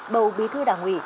bầu bí thư đảng ủy